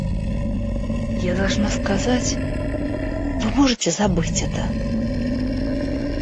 Я должна сказать... Вы можете забыть это?